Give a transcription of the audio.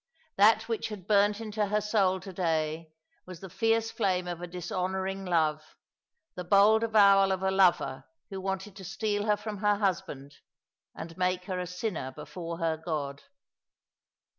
That which had burnt into her soul to day was the fierce flame of a dishonour ing love, the bold avowal of a lover who wanted to steal her from her husband, and make her a sinner before her God.